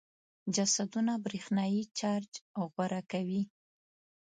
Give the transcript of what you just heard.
جسمونه برېښنايي چارج غوره کوي.